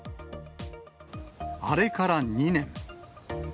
あれから２年。